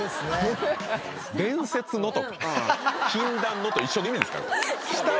「伝説の」とか「禁断の」と一緒の意味ですから。